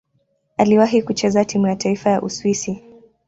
Aliwahi kucheza timu ya taifa ya Uswisi.